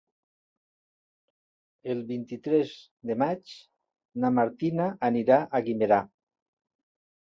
El vint-i-tres de maig na Martina anirà a Guimerà.